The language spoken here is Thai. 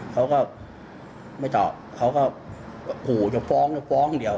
เขาก็ไม่ตอบเขาก็ขู่จะฟ้องหรือฟ้องเดียว